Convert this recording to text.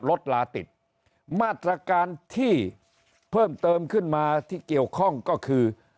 รถลาติดมาตรการที่เพิ่มเติมขึ้นมาที่เกี่ยวข้องก็คือ